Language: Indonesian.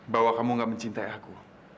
bahwa kamu gak mencintai aku